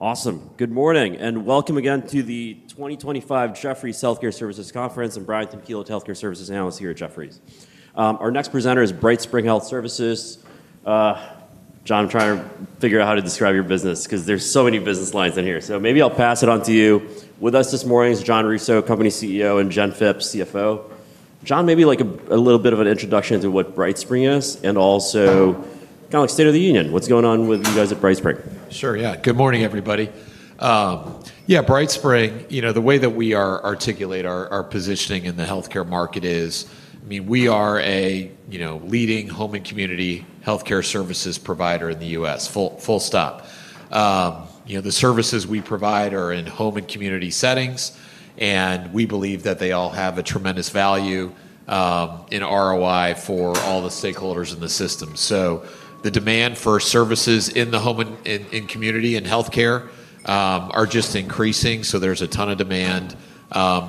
Awesome. Good morning and welcome again to the 2025 Jefferies Healthcare Services Conference. I'm Brian Tanquilut, Healthcare Services Analyst here at Jefferies. Our next presenter is BrightSpring Health Services. Jon, I'm trying to figure out how to describe your business because there's so many business lines in here. Maybe I'll pass it on to you. With us this morning is Jon Rousseau, Company CEO, and Jennifer Phipps, CFO. Jon, maybe like a little bit of an introduction to what BrightSpring is and also kind of like State of the Union. What's going on with you guys at BrightSpring? Sure. Good morning, everybody. BrightSpring, you know, the way that we articulate our positioning in the healthcare market is, I mean, we are a leading home and community healthcare services provider in the U.S. Full stop. The services we provide are in home and community settings, and we believe that they all have a tremendous value in ROI for all the stakeholders in the system. The demand for services in the home and community and healthcare are just increasing. There's a ton of demand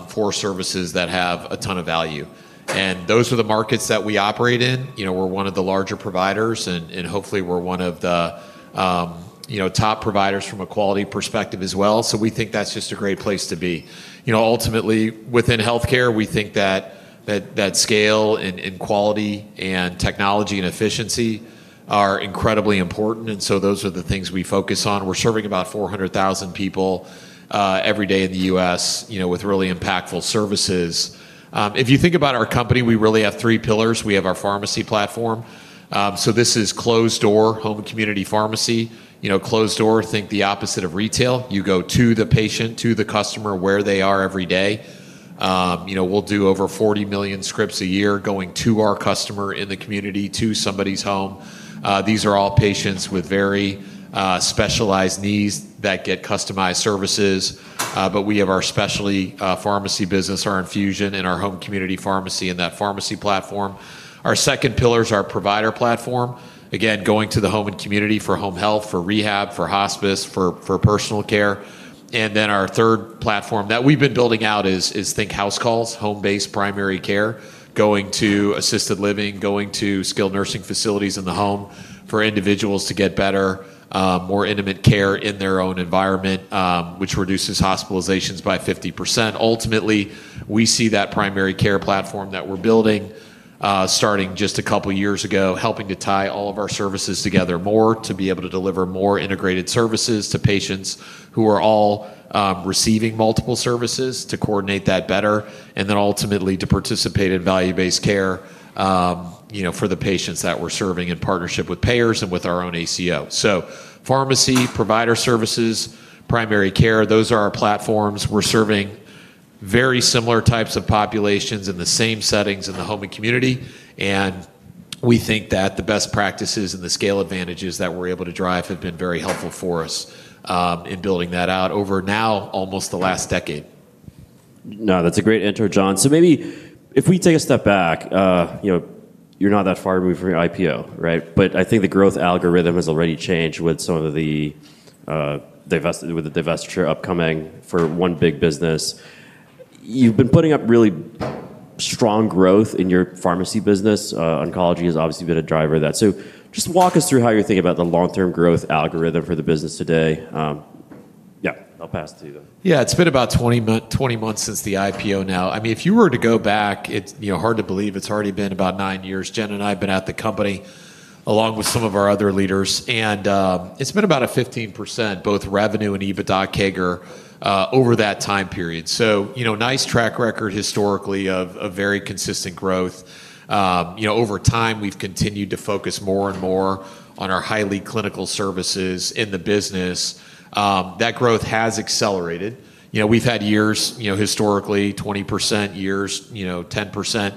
for services that have a ton of value. Those are the markets that we operate in. We're one of the larger providers, and hopefully we're one of the top providers from a quality perspective as well. We think that's just a great place to be. Ultimately, within healthcare, we think that scale and quality and technology and efficiency are incredibly important. Those are the things we focus on. We're serving about 400,000 people every day in the U.S. with really impactful services. If you think about our company, we really have three pillars. We have our pharmacy platform. This is closed-door home and community pharmacy. Closed-door, think the opposite of retail. You go to the patient, to the customer, where they are every day. We'll do over 40 million scripts a year going to our customer in the community, to somebody's home. These are all patients with very specialized needs that get customized services. We have our specialty pharmacy business, our infusion and our home community pharmacy and that pharmacy platform. Our second pillar is our provider platform. Again, going to the home and community for home health, for rehab, for hospice, for personal care. Our third platform that we've been building out is think house calls, home-based primary care, going to assisted living, going to skilled nursing facilities in the home for individuals to get better, more intimate care in their own environment, which reduces hospitalizations by 50%. Ultimately, we see that primary care platform that we're building, starting just a couple of years ago, helping to tie all of our services together more to be able to deliver more integrated services to patients who are all receiving multiple services to coordinate that better, and ultimately to participate in value-based care for the patients that we're serving in partnership with payers and with our own ACO. Pharmacy, provider services, primary care, those are our platforms. We're serving very similar types of populations in the same settings in the home and community. We think that the best practices and the scale advantages that we're able to drive have been very helpful for us in building that out over now, almost the last decade. No, that's a great intro, Jon. Maybe if we take a step back, you're not that far removed from your IPO, right? I think the growth algorithm has already changed with some of the divestiture upcoming for one big business. You've been putting up really strong growth in your pharmacy business. Oncology has obviously been a driver of that. Just walk us through how you're thinking about the long-term growth algorithm for the business today. I'll pass it to you. Yeah, it's been about 20 months since the IPO now. I mean, if you were to go back, it's hard to believe it's already been about nine years. Jen and I have been at the company along with some of our other leaders, and it's been about a 15% both revenue and EBITDA CAGR over that time period. Nice track record historically of very consistent growth. Over time, we've continued to focus more and more on our highly clinical services in the business. That growth has accelerated. We've had years, historically 20%, years 10%,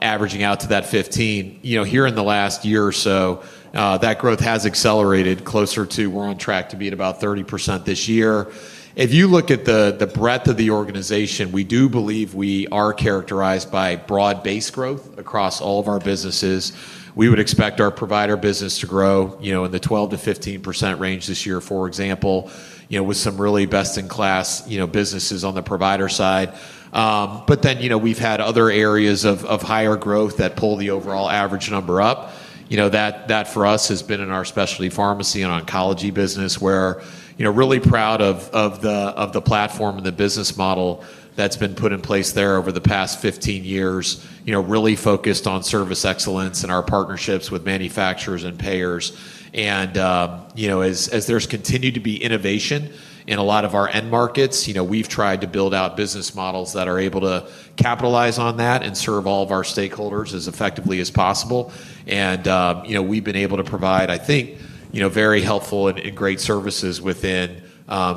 averaging out to that 15%. Here in the last year or so, that growth has accelerated closer to, we're on track to be at about 30% this year. If you look at the breadth of the organization, we do believe we are characterized by broad-based growth across all of our businesses. We would expect our provider business to grow in the 12% to 15% range this year, for example, with some really best-in-class businesses on the provider side. We've had other areas of higher growth that pull the overall average number up. That for us has been in our specialty pharmacy and oncology business, where we're really proud of the platform and the business model that's been put in place there over the past 15 years, really focused on service excellence and our partnerships with manufacturers and payers. As there's continued to be innovation in a lot of our end markets, we've tried to build out business models that are able to capitalize on that and serve all of our stakeholders as effectively as possible. We've been able to provide, I think, very helpful and great services within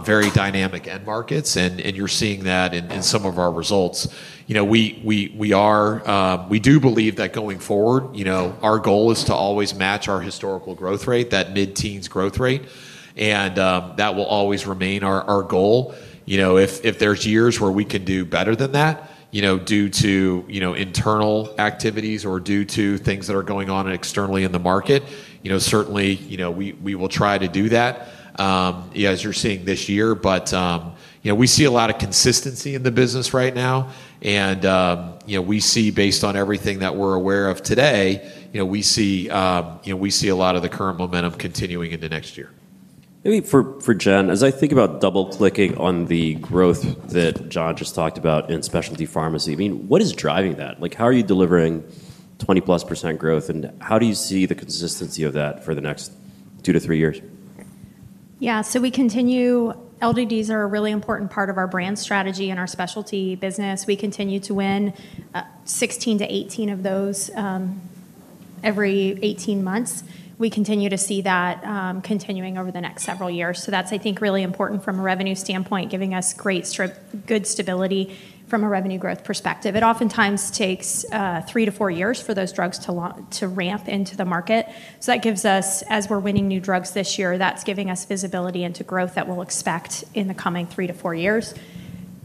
very dynamic end markets. You're seeing that in some of our results. We do believe that going forward, our goal is to always match our historical growth rate, that mid-teens growth rate, and that will always remain our goal. If there's years where we can do better than that, due to internal activities or due to things that are going on externally in the market, certainly, we will try to do that, as you're seeing this year. We see a lot of consistency in the business right now. We see, based on everything that we're aware of today, we see a lot of the current momentum continuing into next year. Maybe for Jen, as I think about double-clicking on the growth that Jon just talked about in specialty pharmacy, what is driving that? How are you delivering 20+% growth and how do you see the consistency of that for the next two to three years? we continue, limited distribution drugs (LDDs) are a really important part of our brand strategy in our specialty business. We continue to win 16 to 18 of those every 18 months. We continue to see that continuing over the next several years. I think that's really important from a revenue standpoint, giving us great good stability from a revenue growth perspective. It oftentimes takes three to four years for those drugs to ramp into the market. That gives us, as we're winning new drugs this year, visibility into growth that we'll expect in the coming three to four years.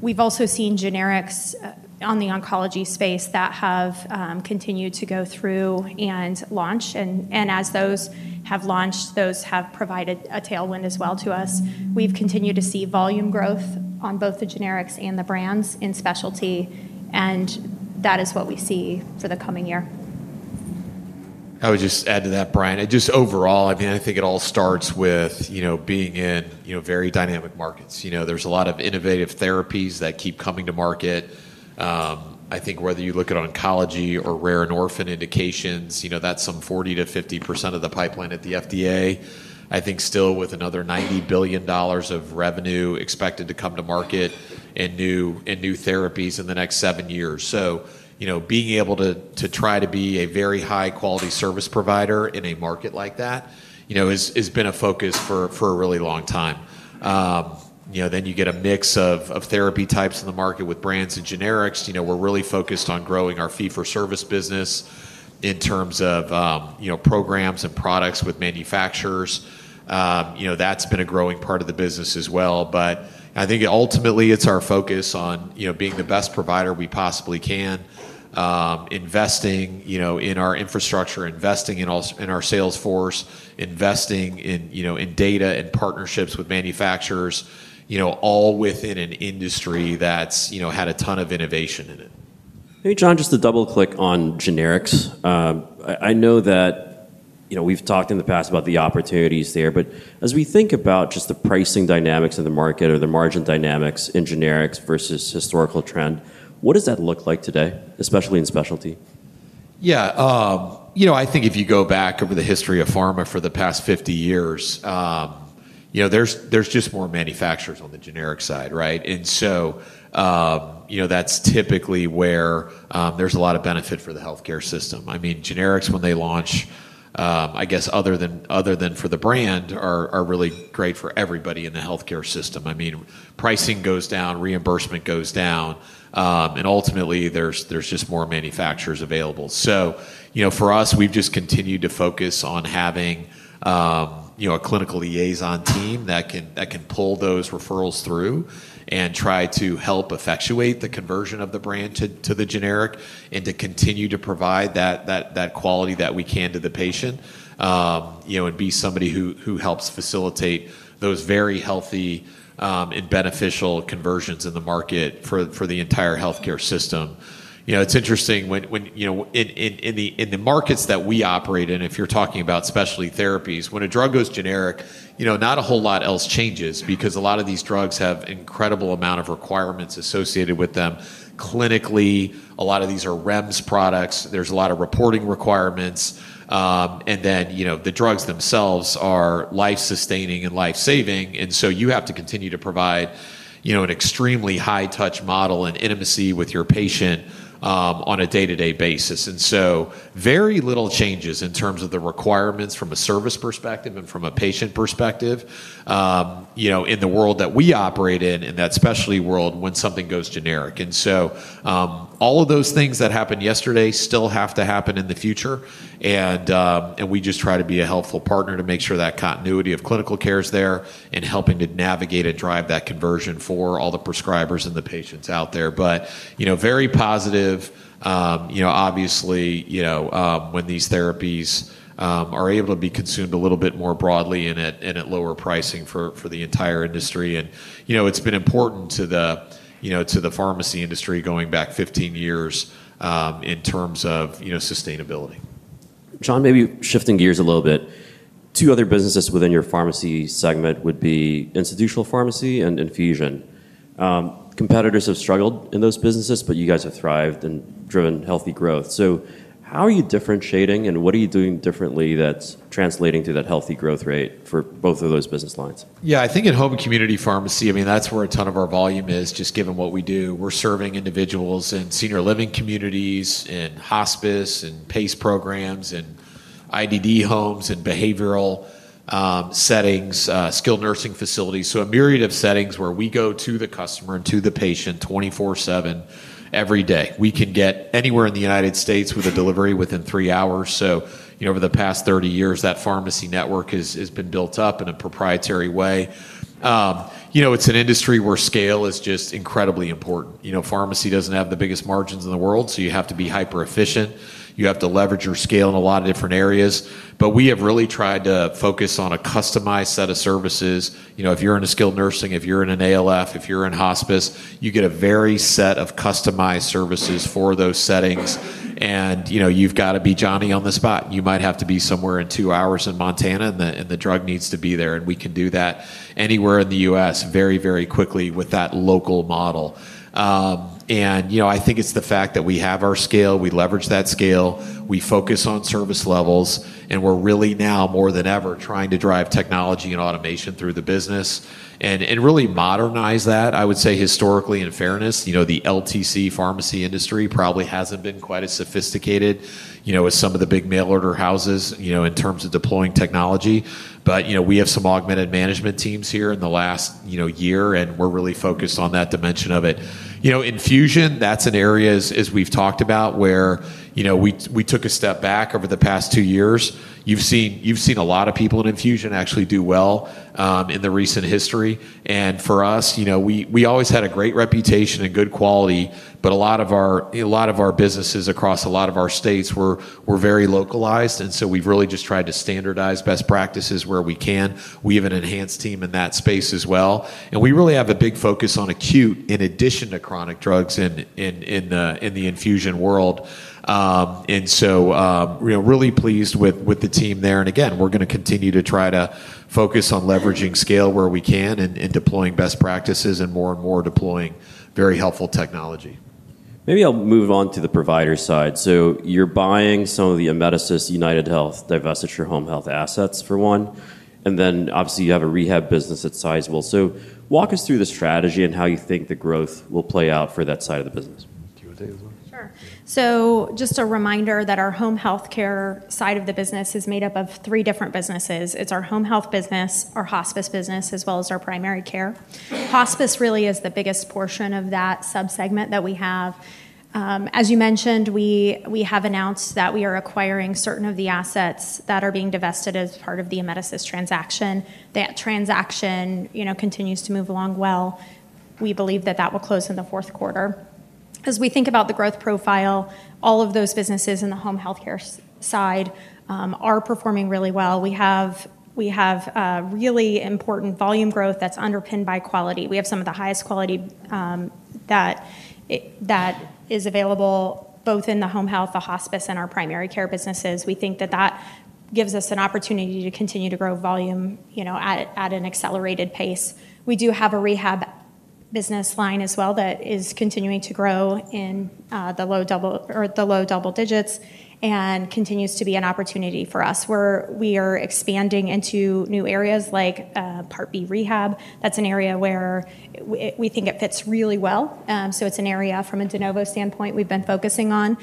We've also seen generics on the oncology space that have continued to go through and launch. As those have launched, those have provided a tailwind as well to us. We've continued to see volume growth on both the generics and the brands in specialty, and that is what we see for the coming year. I would just add to that, Brian. Overall, I think it all starts with being in very dynamic markets. There are a lot of innovative therapies that keep coming to market. I think whether you look at oncology or rare and orphan indications, that's some 40% to 50% of the pipeline at the FDA. I think still with another $90 billion of revenue expected to come to market in new therapies in the next seven years. Being able to try to be a very high-quality service provider in a market like that has been a focus for a really long time. You get a mix of therapy types in the market with brands and generics. We're really focused on growing our fee-for-service business in terms of programs and products with manufacturers. That's been a growing part of the business as well. I think ultimately it's our focus on being the best provider we possibly can, investing in our infrastructure, investing in our sales force, investing in data and partnerships with manufacturers, all within an industry that's had a ton of innovation in it. Hey, Jon, just to double-click on generics. I know that we've talked in the past about the opportunities there, but as we think about just the pricing dynamics in the market or the margin dynamics in generics versus historical trend, what does that look like today, especially in specialty? Yeah, you know, I think if you go back over the history of pharma for the past 50 years, there's just more manufacturers on the generic side, right? That's typically where there's a lot of benefit for the healthcare system. I mean, generics, when they launch, I guess other than for the brand, are really great for everybody in the healthcare system. Pricing goes down, reimbursement goes down, and ultimately there's just more manufacturers available. For us, we've just continued to focus on having a clinical liaison team that can pull those referrals through and try to help effectuate the conversion of the brand to the generic and to continue to provide that quality that we can to the patient, and be somebody who helps facilitate those very healthy and beneficial conversions in the market for the entire healthcare system. It's interesting when, in the markets that we operate in, if you're talking about specialty therapies, when a drug goes generic, not a whole lot else changes because a lot of these drugs have an incredible amount of requirements associated with them. Clinically, a lot of these are REMS products. There's a lot of reporting requirements. The drugs themselves are life-sustaining and life-saving. You have to continue to provide an extremely high-touch model and intimacy with your patient on a day-to-day basis. Very little changes in terms of the requirements from a service perspective and from a patient perspective in the world that we operate in and that specialty world when something goes generic. All of those things that happened yesterday still have to happen in the future. We just try to be a helpful partner to make sure that continuity of clinical care is there and helping to navigate and drive that conversion for all the prescribers and the patients out there. Very positive, obviously, when these therapies are able to be consumed a little bit more broadly and at lower pricing for the entire industry. It's been important to the pharmacy industry going back 15 years in terms of sustainability. Jon, maybe shifting gears a little bit, two other businesses within your pharmacy segment would be institutional pharmacy and infusion. Competitors have struggled in those businesses, but you guys have thrived and driven healthy growth. How are you differentiating and what are you doing differently that's translating to that healthy growth rate for both of those business lines? Yeah, I think in home and community pharmacy, I mean, that's where a ton of our volume is, just given what we do. We're serving individuals in senior living communities and hospice and PACE programs and IDD homes and behavioral settings, skilled nursing facilities. A myriad of settings where we go to the customer and to the patient 24/7 every day. We can get anywhere in the United States with a delivery within three hours. Over the past 30 years, that pharmacy network has been built up in a proprietary way. It's an industry where scale is just incredibly important. Pharmacy doesn't have the biggest margins in the world, so you have to be hyper-efficient. You have to leverage your scale in a lot of different areas. We have really tried to focus on a customized set of services. If you're in a skilled nursing, if you're in an ALF, if you're in hospice, you get a very set of customized services for those settings. You've got to be Johnny on the spot. You might have to be somewhere in two hours in Montana, and the drug needs to be there. We can do that anywhere in the United States very, very quickly with that local model. I think it's the fact that we have our scale, we leverage that scale, we focus on service levels, and we're really now more than ever trying to drive technology and automation through the business and really modernize that. I would say historically, in fairness, the LTC pharmacy industry probably hasn't been quite as sophisticated as some of the big mail-order houses in terms of deploying technology. We have some augmented management teams here in the last year, and we're really focused on that dimension of it. Infusion, that's an area, as we've talked about, where we took a step back over the past two years. You've seen a lot of people in infusion actually do well in the recent history. For us, we always had a great reputation and good quality, but a lot of our businesses across a lot of our states were very localized. We've really just tried to standardize best practices where we can. We have an enhanced team in that space as well. We really have a big focus on acute in addition to chronic drugs in the infusion world. Really pleased with the team there. Again, we're going to continue to try to focus on leveraging scale where we can and deploying best practices and more and more deploying very helpful technology. Maybe I'll move on to the provider side. You're buying some of the Amedisys UnitedHealth divestiture home health assets for one, and then obviously you have a rehab business that's sizable. Walk us through the strategy and how you think the growth will play out for that side of the business. Do you want to take this one? Sure. Just a reminder that our home health care side of the business is made up of three different businesses. It's our home health business, our hospice business, as well as our primary care. Hospice really is the biggest portion of that subsegment that we have. As you mentioned, we have announced that we are acquiring certain of the assets that are being divested as part of the Amedisys transaction. That transaction continues to move along well. We believe that that will close in the fourth quarter. As we think about the growth profile, all of those businesses in the home health care side are performing really well. We have really important volume growth that's underpinned by quality. We have some of the highest quality that is available both in the home health, the hospice, and our primary care businesses. We think that that gives us an opportunity to continue to grow volume at an accelerated pace. We do have a rehab business line as well that is continuing to grow in the low double digits and continues to be an opportunity for us. We are expanding into new areas like Part B rehab. That's an area where we think it fits really well. It's an area from a de novo standpoint we've been focusing on.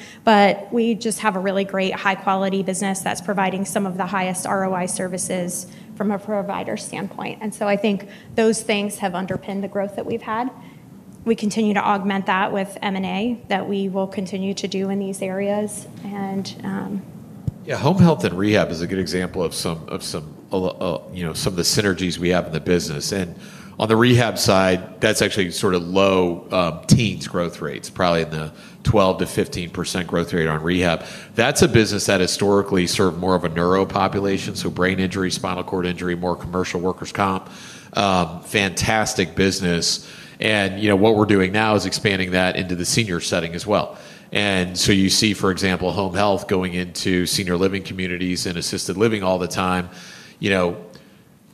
We just have a really great high-quality business that's providing some of the highest ROI services from a provider standpoint. I think those things have underpinned the growth that we've had. We continue to augment that with M&A that we will continue to do in these areas. Yeah, home health and rehab is a good example of some of the synergies we have in the business. On the rehab side, that's actually sort of low teens growth rates, probably in the 12% to 15% growth rate on rehab. That's a business that historically served more of a neuro population, so brain injury, spinal cord injury, more commercial workers' comp, fantastic business. What we're doing now is expanding that into the senior setting as well. You see, for example, home health going into senior living communities and assisted living all the time.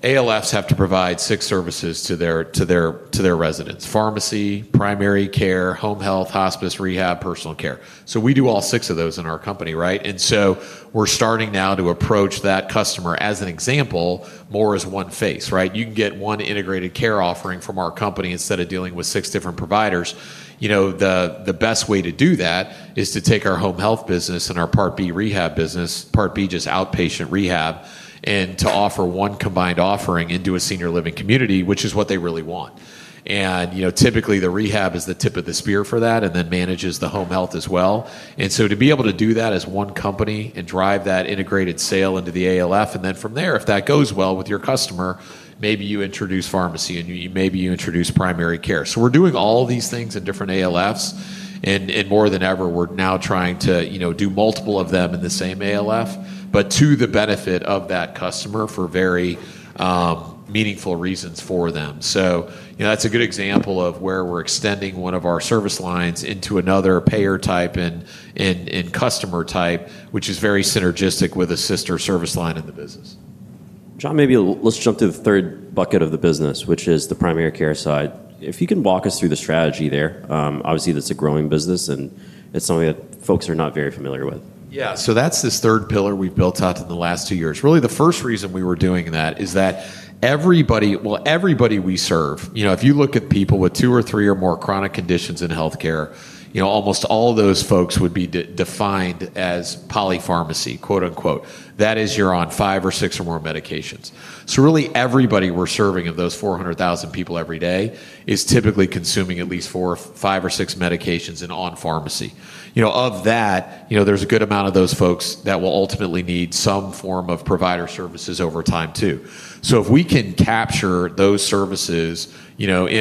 ALFs have to provide six services to their residents: pharmacy, primary care, home health, hospice, rehab, personal care. We do all six of those in our company, right? We're starting now to approach that customer, as an example, more as one face. You can get one integrated care offering from our company instead of dealing with six different providers. The best way to do that is to take our home health business and our Part B rehab business, Part B just outpatient rehab, and to offer one combined offering into a senior living community, which is what they really want. Typically, the rehab is the tip of the spear for that and then manages the home health as well. To be able to do that as one company and drive that integrated sale into the ALF, and then from there, if that goes well with your customer, maybe you introduce pharmacy and maybe you introduce primary care. We're doing all these things in different ALFs, and more than ever, we're now trying to do multiple of them in the same ALF, to the benefit of that customer for very meaningful reasons for them. That's a good example of where we're extending one of our service lines into another payer type and customer type, which is very synergistic with a sister service line in the business. Jon, maybe let's jump to the third bucket of the business, which is the primary care side. If you can walk us through the strategy there, obviously that's a growing business and it's something that folks are not very familiar with. Yeah, so that's this third pillar we've built out in the last two years. Really, the first reason we were doing that is that everybody, well, everybody we serve, you know, if you look at people with two or three or more chronic conditions in healthcare, you know, almost all those folks would be defined as polypharmacy, quote unquote. That is, you're on five or six or more medications. So really, everybody we're serving of those 400,000 people every day is typically consuming at least four or five or six medications and on pharmacy. Of that, there's a good amount of those folks that will ultimately need some form of provider services over time too. If we can capture those services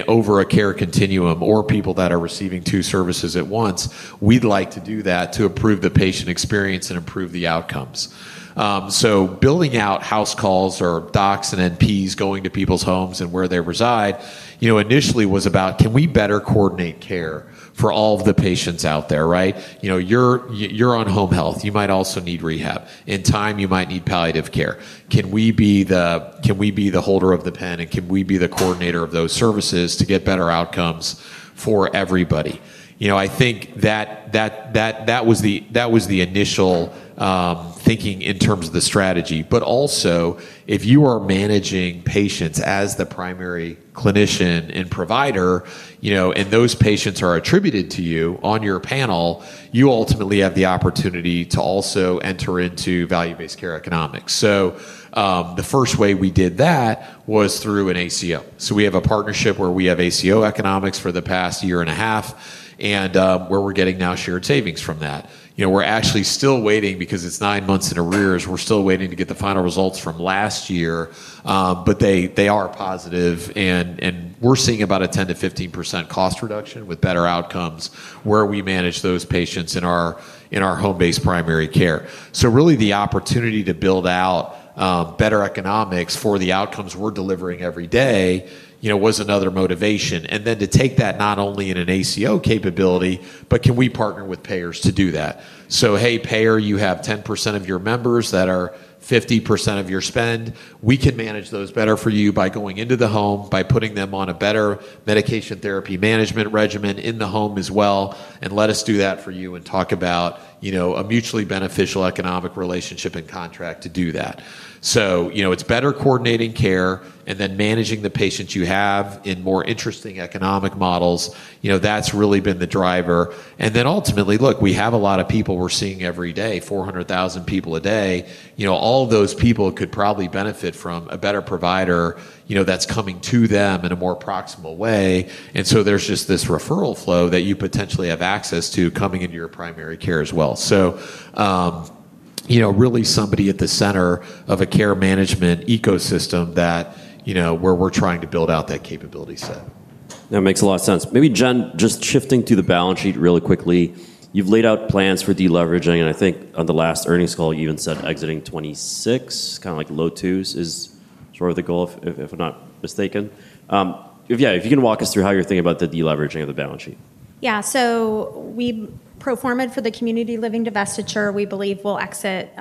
over a care continuum or people that are receiving two services at once, we'd like to do that to improve the patient experience and improve the outcomes. Building out house calls or docs and NPs going to people's homes and where they reside, initially was about, can we better coordinate care for all of the patients out there, right? You're on home health. You might also need rehab. In time, you might need palliative care. Can we be the holder of the pen and can we be the coordinator of those services to get better outcomes for everybody? I think that was the initial thinking in terms of the strategy. Also, if you are managing patients as the primary clinician and provider, and those patients are attributed to you on your panel, you ultimately have the opportunity to also enter into value-based care economics. The first way we did that was through an ACO. We have a partnership where we have ACO economics for the past year and a half, and where we're getting now shared savings from that. We're actually still waiting because it's nine months in a rear. We're still waiting to get the final results from last year, but they are positive, and we're seeing about a 10% to 15% cost reduction with better outcomes where we manage those patients in our home-based primary care. Really, the opportunity to build out better economics for the outcomes we're delivering every day was another motivation. Then to take that not only in an ACO capability, but can we partner with payers to do that? Hey, payer, you have 10% of your members that are 50% of your spend. We can manage those better for you by going into the home, by putting them on a better medication therapy management regimen in the home as well, and let us do that for you and talk about, you know, a mutually beneficial economic relationship and contract to do that. It's better coordinating care and then managing the patients you have in more interesting economic models. That's really been the driver. Ultimately, look, we have a lot of people we're seeing every day, 400,000 people a day. All of those people could probably benefit from a better provider, you know, that's coming to them in a more proximal way. There's just this referral flow that you potentially have access to coming into your primary care as well. Really somebody at the center of a care management ecosystem where we're trying to build out that capability set. That makes a lot of sense. Maybe, Jen, just shifting to the balance sheet really quickly, you've laid out plans for deleveraging, and I think on the last earnings call, you even said exiting 2026, kind of like low twos is sort of the goal, if I'm not mistaken. Yeah, if you can walk us through how you're thinking about the deleveraging of the balance sheet. Yeah, so we pro forma'd for the community living divestiture. We believe we'll exit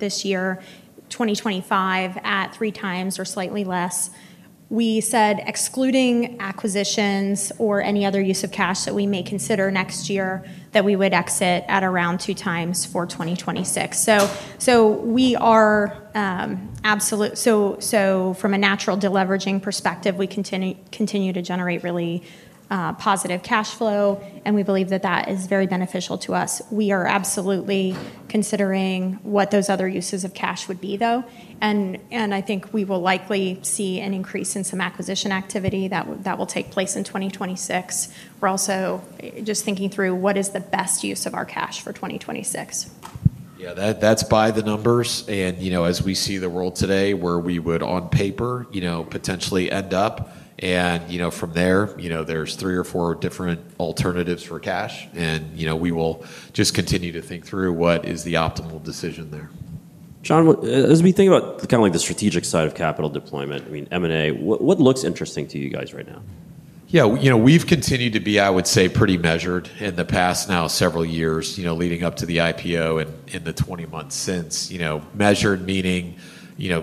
this year, 2025, at 3x or slightly less. We said excluding acquisitions or any other use of cash that we may consider next year, that we would exit at around 2x for 2026. We are absolutely, from a natural deleveraging perspective, continuing to generate really positive cash flow, and we believe that is very beneficial to us. We are absolutely considering what those other uses of cash would be, though. I think we will likely see an increase in some acquisition activity that will take place in 2026. We're also just thinking through what is the best use of our cash for 2026. Yeah, that's by the numbers. As we see the world today, where we would on paper potentially end up, from there, there's three or four different alternatives for cash. We will just continue to think through what is the optimal decision there. Jon, as we think about kind of like the strategic side of capital deployment, I mean, M&A, what looks interesting to you guys right now? Yeah, you know, we've continued to be, I would say, pretty measured in the past now several years, leading up to the IPO and in the 20 months since, measured meaning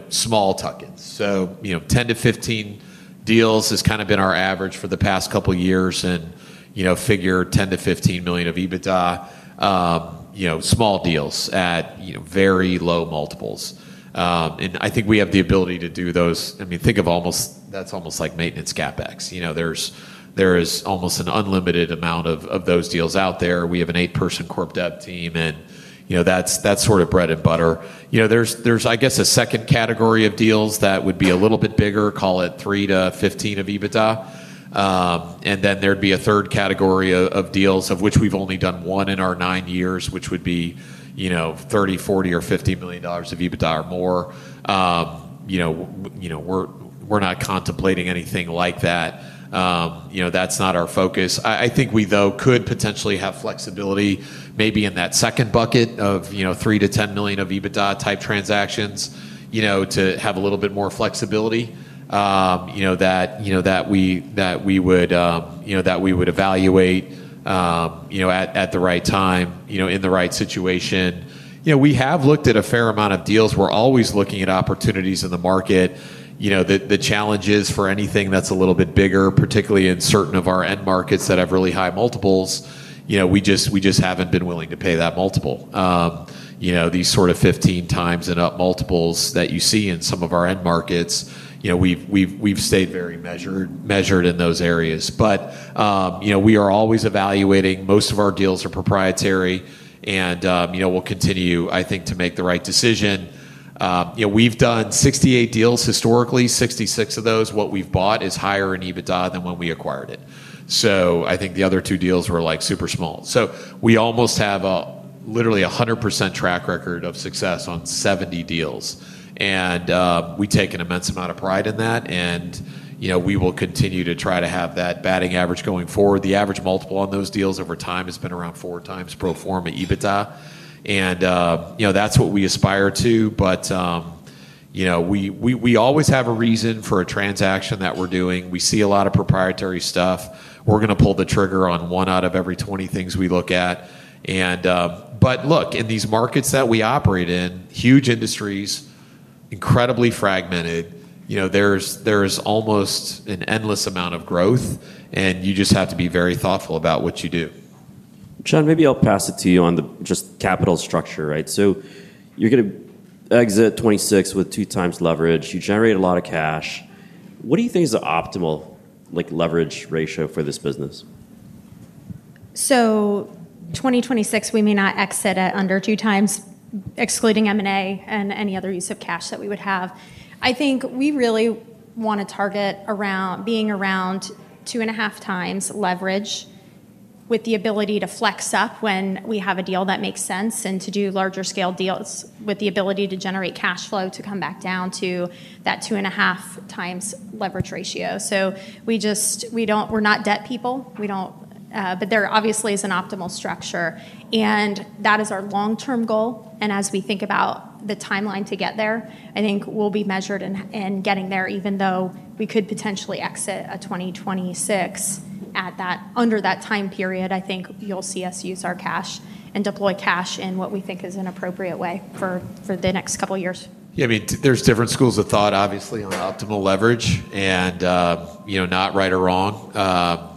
small tuck-ins. You know, 10 to 15 deals has kind of been our average for the past couple of years. Figure $10 to $15 million of EBITDA, small deals at very low multiples. I think we have the ability to do those. Think of almost, that's almost like maintenance CapEx. There's almost an unlimited amount of those deals out there. We have an eight-person corp dev team, and that's sort of bread and butter. There's, I guess, a second category of deals that would be a little bit bigger, call it $3 to $15 million of EBITDA. Then there'd be a third category of deals of which we've only done one in our nine years, which would be $30, $40, or $50 million of EBITDA or more. We're not contemplating anything like that. That's not our focus. I think we, though, could potentially have flexibility maybe in that second bucket of $3 to $10 million of EBITDA type transactions to have a little bit more flexibility that we would evaluate at the right time, in the right situation. We have looked at a fair amount of deals. We're always looking at opportunities in the market. The challenge is for anything that's a little bit bigger, particularly in certain of our end markets that have really high multiples, we just haven't been willing to pay that multiple. These sort of 15 times and up multiples that you see in some of our end markets, we've stayed very measured in those areas. We are always evaluating. Most of our deals are proprietary, and we'll continue, I think, to make the right decision. We've done 68 deals historically. 66 of those, what we've bought is higher in EBITDA than when we acquired it. I think the other two deals were like super small. We almost have a literally 100% track record of success on 70 deals. We take an immense amount of pride in that, and we will continue to try to have that batting average going forward. The average multiple on those deals over time has been around four times pro forma EBITDA, and that's what we aspire to. We always have a reason for a transaction that we're doing. We see a lot of proprietary stuff. We're going to pull the trigger on one out of every 20 things we look at. In these markets that we operate in, huge industries, incredibly fragmented, there's almost an endless amount of growth, and you just have to be very thoughtful about what you do. Jon, maybe I'll pass it to you on the just capital structure, right? You're going to exit 2026 with two times leverage. You generate a lot of cash. What do you think is the optimal like leverage ratio for this business? In 2026, we may not exit at under 2x, excluding M&A and any other use of cash that we would have. I think we really want to target being around 2.5x leverage with the ability to flex up when we have a deal that makes sense and to do larger scale deals with the ability to generate cash flow to come back down to that 2.5x leverage ratio. We just don't, we're not debt people. We don't, but there obviously is an optimal structure. That is our long-term goal. As we think about the timeline to get there, I think we'll be measured in getting there, even though we could potentially exit 2026 at that, under that time period. I think you'll see us use our cash and deploy cash in what we think is an appropriate way for the next couple of years. Yeah, I mean, there's different schools of thought, obviously, on optimal leverage and, you know, not right or wrong.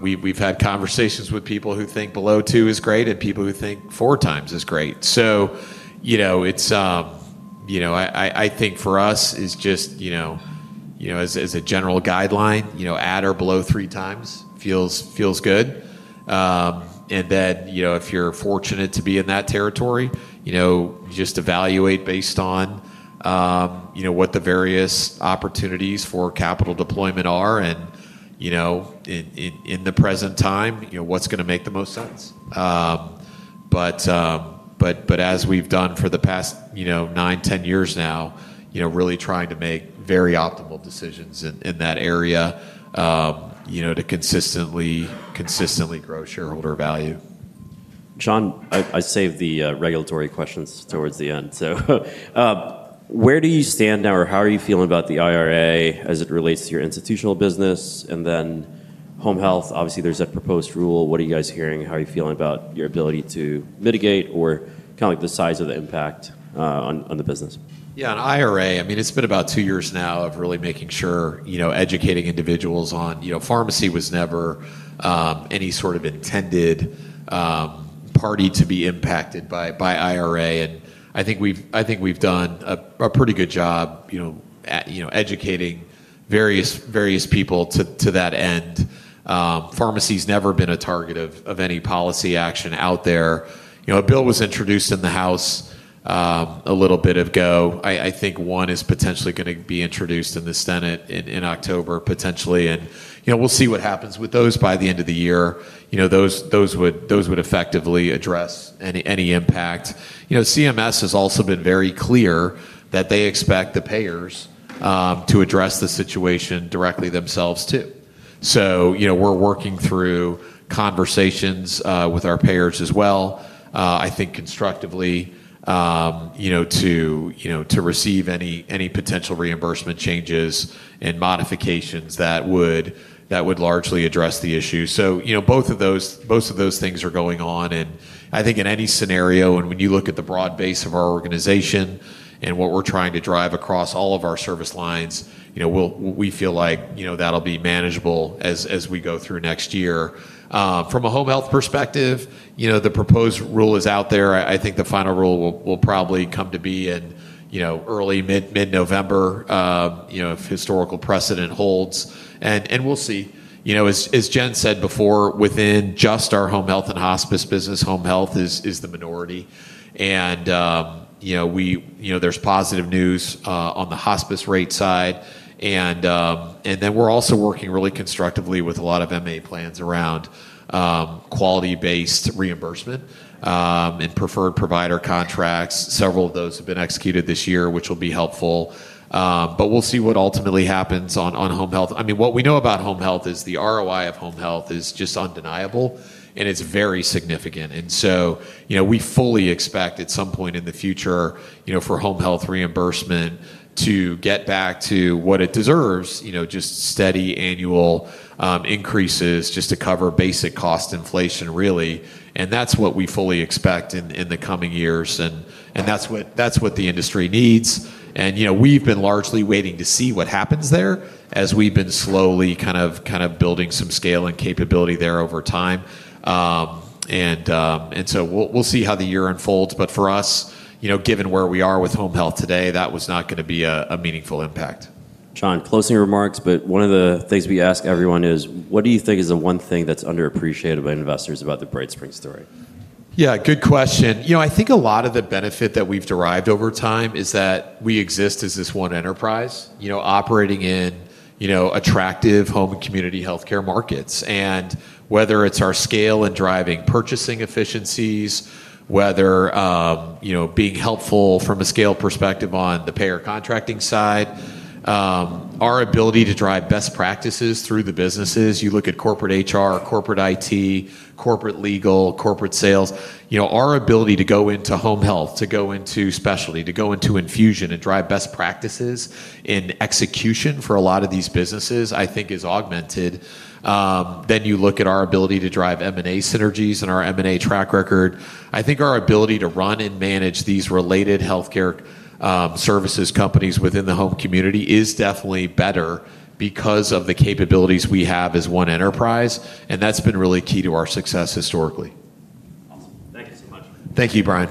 We've had conversations with people who think below two is great and people who think four times is great. I think for us, just as a general guideline, at or below three times feels good. If you're fortunate to be in that territory, you just evaluate based on what the various opportunities for capital deployment are. In the present time, what's going to make the most sense? As we've done for the past nine, ten years now, really trying to make very optimal decisions in that area to consistently grow shareholder value. Jon, I saved the regulatory questions towards the end. Where do you stand now or how are you feeling about the IRA as it relates to your institutional business and then home health? Obviously, there's a proposed rule. What are you guys hearing? How are you feeling about your ability to mitigate or kind of like the size of the impact on the business? Yeah, an IRA, I mean, it's been about two years now of really making sure, you know, educating individuals on, you know, pharmacy was never any sort of intended party to be impacted by IRA. I think we've done a pretty good job, you know, educating various people to that end. Pharmacy's never been a target of any policy action out there. A bill was introduced in the House a little bit ago. I think one is potentially going to be introduced in the Senate in October, potentially. We'll see what happens with those by the end of the year. Those would effectively address any impact. CMS has also been very clear that they expect the payers to address the situation directly themselves too. We're working through conversations with our payers as well. I think constructively, you know, to receive any potential reimbursement changes and modifications that would largely address the issue. Both of those things are going on. I think in any scenario, and when you look at the broad base of our organization and what we're trying to drive across all of our service lines, we feel like, you know, that'll be manageable as we go through next year. From a home health perspective, the proposed rule is out there. I think the final rule will probably come to be in, you know, early mid-November, if historical precedent holds. We'll see. As Jen said before, within just our home health and hospice business, home health is the minority. There's positive news on the hospice rate side. We're also working really constructively with a lot of MA plans around quality-based reimbursement and preferred provider contracts. Several of those have been executed this year, which will be helpful. We'll see what ultimately happens on home health. What we know about home health is the ROI of home health is just undeniable and it's very significant. We fully expect at some point in the future for home health reimbursement to get back to what it deserves, just steady annual increases just to cover basic cost inflation, really. That's what we fully expect in the coming years. That's what the industry needs. We've been largely waiting to see what happens there as we've been slowly kind of building some scale and capability there over time. We'll see how the year unfolds. For us, given where we are with home health today, that was not going to be a meaningful impact. Jon, closing remarks, but one of the things we ask everyone is, what do you think is the one thing that's underappreciated by investors about the BrightSpring story? Yeah, good question. I think a lot of the benefit that we've derived over time is that we exist as this one enterprise, operating in attractive home and community healthcare markets. Whether it's our scale and driving purchasing efficiencies, or being helpful from a scale perspective on the payer contracting side, our ability to drive best practices through the businesses. You look at Corporate HR, Corporate IT, Corporate Legal, Corporate Sales. Our ability to go into home health, to go into specialty, to go into infusion and drive best practices in execution for a lot of these businesses, I think, is augmented. You look at our ability to drive M&A synergies and our M&A track record. I think our ability to run and manage these related healthcare services companies within the home community is definitely better because of the capabilities we have as one enterprise. That's been really key to our success historically. Thank you, Brian.